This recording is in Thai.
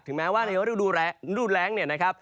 ถึงแม้ว่านี้ก็ดูแร็ง